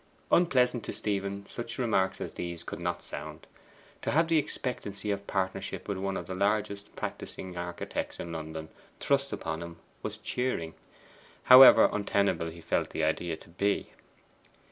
Unpleasant to Stephen such remarks as these could not sound; to have the expectancy of partnership with one of the largest practising architects in London thrust upon him was cheering, however untenable he felt the idea to be.